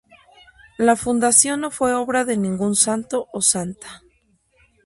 La fundación no fue obra de ningún santo o santa.